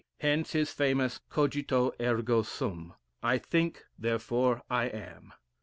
Hence his famous Cogito ergo Sum: I think, therefore I am."